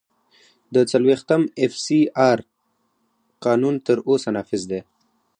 د څلوېښتم اېف سي آر قانون تر اوسه نافذ دی.